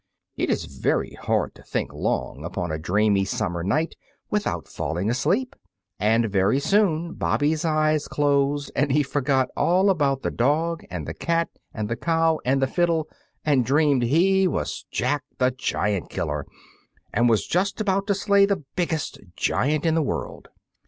It is very hard to think long upon a dreamy summer night without falling asleep, and very soon Bobby's eyes closed and he forgot all about the dog and the cat and the cow and the fiddle, and dreamed he was Jack the Giant Killer and was just about to slay the biggest giant in the world.